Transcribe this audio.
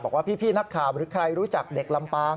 บอกว่าพี่นักข่าวหรือใครรู้จักเด็กลำปาง